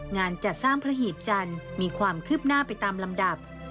งานจัดสร้างพระหีบจันทร์มีความคืบหน้าไปตามลำดับ